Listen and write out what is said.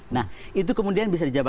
nah itu kemudian bisa dijawab